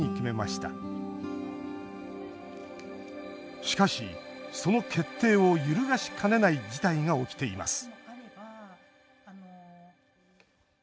しかし、その決定を揺るがしかねない事態が起きています